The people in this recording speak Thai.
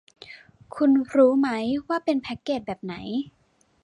คุณรู้มั้ยว่าเป็นแพ็คเกจแบบไหน